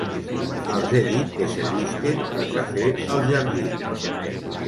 Els he dit que servisquen el café al jardí.